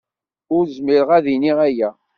Ur zmireɣ ad iniɣ aya.